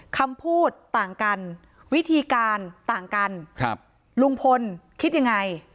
คำพูดต่างกันวิธีการต่างกันครับลุงพลคิดยังไง